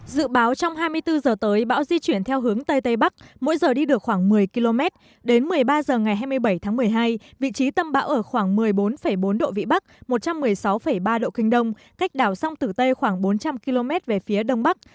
dự báo trong hai mươi bốn h tới bão di chuyển theo hướng tây tây bắc mỗi giờ đi được khoảng một mươi km đến một mươi ba h ngày hai mươi bảy tháng một mươi hai vị trí tâm bão ở khoảng một mươi bốn bốn độ vĩ bắc một trăm một mươi sáu ba độ kinh đông cách đảo sông tử tây khoảng bốn trăm linh km về phía đông bắc